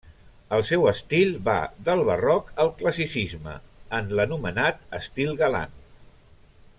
El seu estil va del Barroc al Classicisme en l'anomenat estil galant.